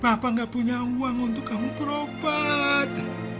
bapak nggak punya uang untuk kamu berobat